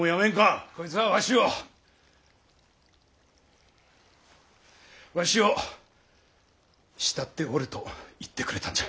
こいつはわしをわしを慕っておると言ってくれたんじゃ。